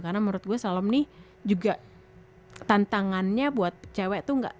karena menurut gue salom nih juga tantangannya buat cewek tuh gak